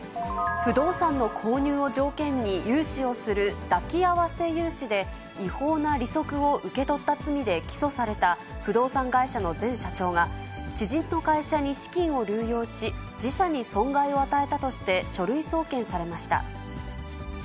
不動産の購入を条件に融資をする抱き合わせ融資で違法な利息を受け取った罪で起訴された不動産会社の前社長が、知人の会社に資金を流用し、自社に損害を与えたとして書類送検されました。